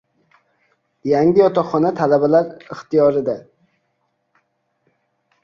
Yangi yotoqxona talabalar ixtiyoridang